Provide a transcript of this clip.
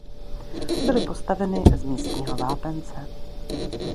Byly postaveny z místního vápence.